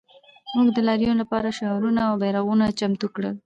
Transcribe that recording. موږ د لاریون لپاره شعارونه او بیرغونه چمتو کړل